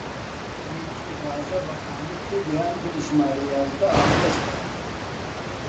ڕیتی ڕازا! بە قامک تێیگەیاندم ژمارە یازدە ئاودەستە